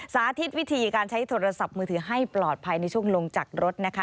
สาธิตวิธีการใช้โทรศัพท์มือถือให้ปลอดภัยในช่วงลงจากรถนะคะ